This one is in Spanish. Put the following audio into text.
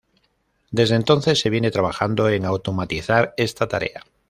Desde entonces se viene trabajando en automatizar esta tarea.